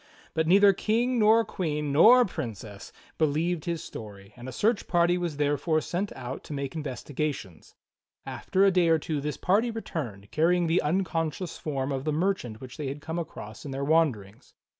But neither King nor Queen nor Princess believed his story, and a search party was therefore sent out to make investi gations. After a day or two this party returned, carrying the uncon scious form of the merchant which they had come across in their wanderings.